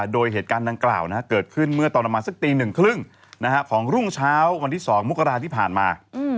โดยเหตุการณ์ดังกล่าวเกิดขึ้นเมื่อตอนประมาณสักตี๑๓๐ของรุ่งเช้าวันที่๒มกราที่ผ่านมา